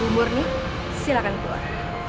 umurni silakan keluar